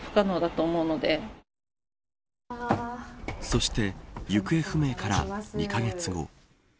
そして行方不明から２カ月後。